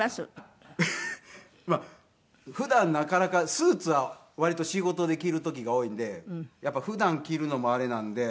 スーツは割と仕事で着る時が多いんでやっぱり普段着るのもあれなんで。